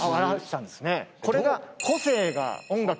これが。